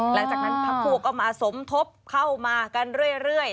หลังจากนั้นพักพวกก็มาสมทบเข้ามากันเรื่อย